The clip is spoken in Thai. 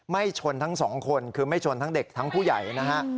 ชนทั้งสองคนคือไม่ชนทั้งเด็กทั้งผู้ใหญ่นะฮะ